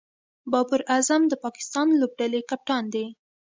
بابر اعظم د پاکستان لوبډلي کپتان دئ.